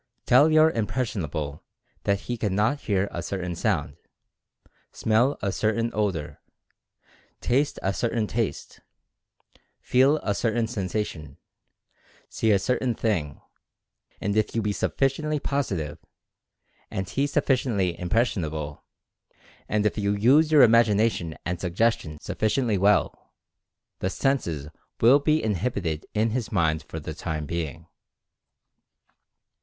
Tell your "impressionable" that he cannot hear a certain sound; smell a certain odor; taste a certain taste; feel a certain sensation; see a certain thing; and if you be sufficiently Positive, and he suf ficiently impressionable, and if you use your imagina tion and suggestion sufficiently well — the senses will be inhibited in his mind for the time being.